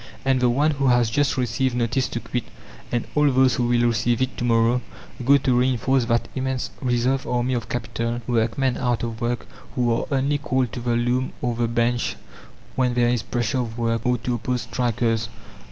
And the one who has just received notice to quit, and all those who will receive it to morrow, go to reinforce that immense reserve army of capital workmen out of work who are only called to the loom or the bench when there is pressure of work, or to oppose strikers.